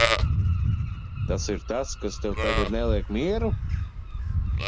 Tas ir tas, kas tev tagad neliek mieru?